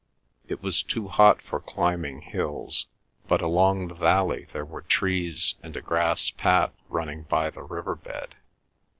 It was too hot for climbing hills, but along the valley there were trees and a grass path running by the river bed.